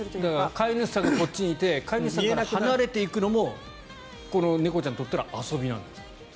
飼い主さんがこっちにいて飼い主さんから離れていくのもこの猫ちゃんにとったら遊びなんです。